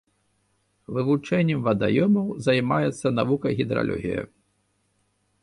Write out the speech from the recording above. Вывучэннем вадаёмаў займаецца навука гідралогія.